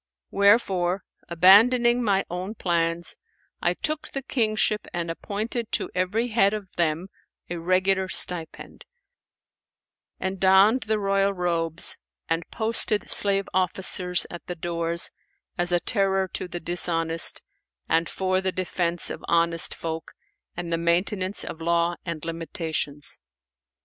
Wherefore, abandoning my own plans, I took the kingship and appointed to every head of them a regular stipend; and donned the royal robes; and posted slave officers at the doors, as a terror to the dishonest and for the defence of honest folk and the maintenance of law and limitations.